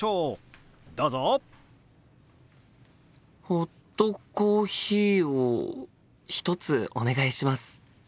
ホットコーヒーを１つお願いします。